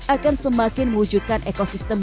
akan semakin mewujudkan ekosistem